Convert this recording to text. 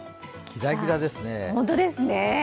ギラギラですね。